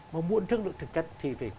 mà muốn thương lượng thực chất thì về cái nỗ lực